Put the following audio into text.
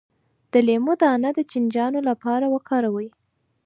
د لیمو دانه د چینجیانو لپاره وکاروئ